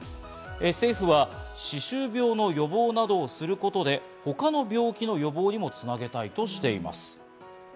政府は歯周病の予防などをすることで他の病気の予防にもつなげたいとしています。